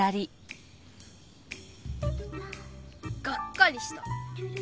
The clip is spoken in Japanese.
がっかりした！